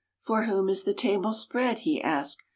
"For whom is the table spread?" he asked.